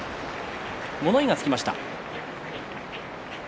物言いがつきました。